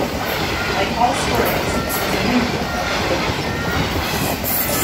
Like all squirrels, it is a member of the rodent order.